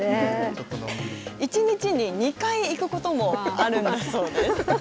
１日に２回行くこともあるんだそうです。